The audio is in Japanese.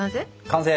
完成！